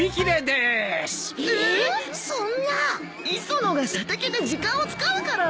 磯野が射的で時間を使うから！